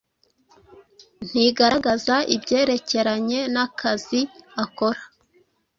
ntigaragaza ibyerekeranye nakzi akora